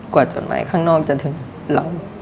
จดหมายข้างนอกจะถึงเรา